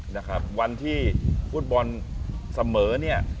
นะครับวันที่ฟุตบอลเสมอเนี่ย